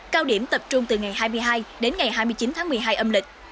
cao điểm tập trung từ ngày hai mươi hai đến ngày hai mươi chín tháng một mươi hai âm lịch